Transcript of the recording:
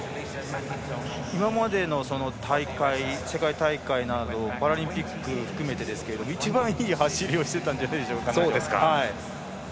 今までの世界大会などパラリンピックを含めて一番いい走りをしてたんじゃないでしょうか。